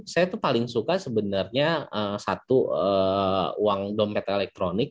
saya tuh paling suka sebenarnya satu uang dompet elektronik